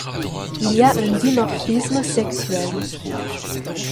Il y a un dimorphisme sexuel.